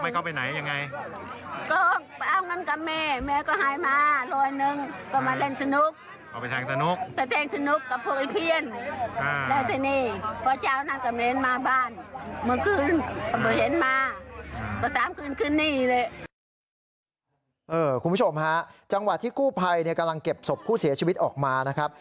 คุณผู้ชมฮะจังหวะที่กู้ภัยกำลังเก็บศพผู้เสียชีวิตออกมานะครับ